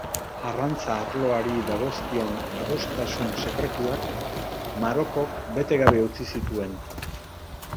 Arrantza arloari dagozkion adostasun sekretuak, Marokok bete gabe utzi zituen.